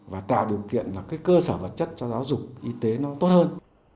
và tạo điều kiện là cái cơ sở vật chất cho giáo dục y tế nó tốt hơn